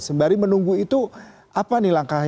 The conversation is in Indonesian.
sembari menunggu itu apa nih langkah yang